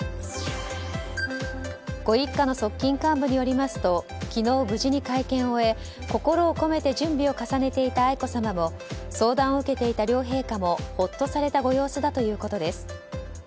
ご一家の側近幹部によりますと昨日、無事に会見を終え準備を重ねていた愛子さまも相談を受けていた両陛下もほっとされたご様子だということです。